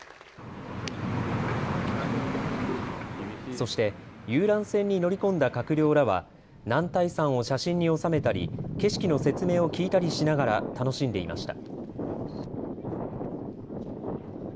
そして遊覧船に乗り込んだ閣僚らは男体山を写真に収めたり景色の説明を聞いたりしながら楽しんでいました。